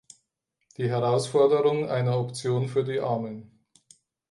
Die Herausforderung einer Option für die Armen".